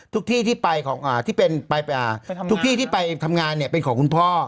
ทุกที่ที่ไปทำงานเนี่ยเป็นของคุณพ่อ